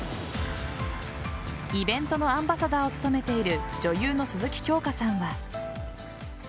イベントのアンバサダーを務めている女優の鈴木京香さんは。